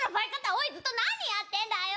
おいずっと何やってんだよ！